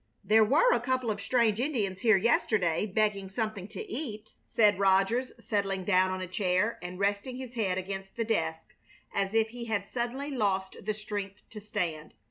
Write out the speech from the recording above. "There were a couple of strange Indians here yesterday, begging something to eat," said Rogers, settling down on a chair and resting his head against the desk as if he had suddenly lost the strength to stand.